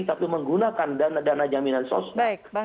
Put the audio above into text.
tapi menggunakan dana jaminan sosial